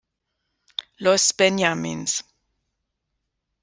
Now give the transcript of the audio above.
Los Benjamins".